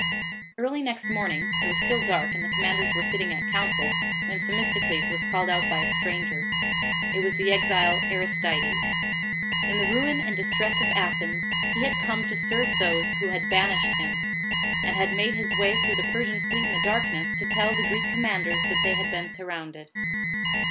Early next morning it was still dark, and the commanders were sitting at council, when Themis tocles was called out by a stranger. It was the exile Aristides. In the ruin and distress of Athens, he had come to serve those, who had banished him, and had made his way through the Persian fleet in the darkness, to tell the Greek commanders, that they had been surrounded.